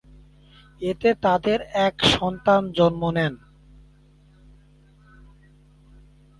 এতে তাদের এক সন্তান জন্ম নেন।